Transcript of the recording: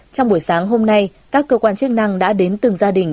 trong buổi sáng hôm nay các cơ quan chức năng đã đến từng gia đình